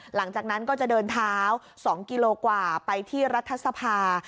หลังจากนั้นก็จะเดินเท้า๒กิโลกว่าไปที่รัฐสภา